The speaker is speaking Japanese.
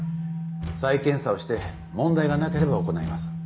再検査をして問題がなければ行います。